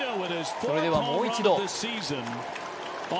それではもう一度。